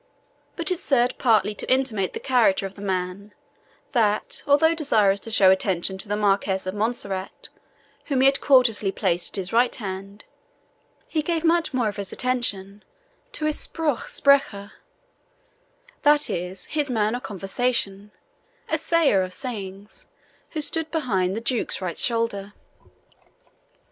But it served partly to intimate the character of the man, that, although desirous to show attention to the Marquis of Montserrat, whom he had courteously placed at his right hand, he gave much more of his attention to his SPRUCH SPRECHER that is, his man of conversation, or SAYER OF SAYINGS who stood behind the Duke's right shoulder.